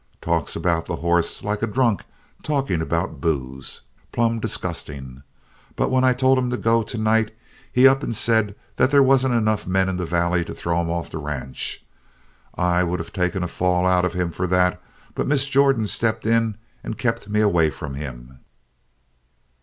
Talks about the horse like a drunk talking about booze. Plumb disgusting. But when I told him to go to night, he up and said they wasn't enough men in the Valley to throw him off the ranch. I would of taken a fall out of him for that, but Miss Jordan stepped in and kept me away from him.